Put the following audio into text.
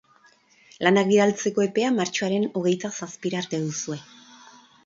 Lanak bidaltzeko epea martxoaren hogeita zazpira arte duzue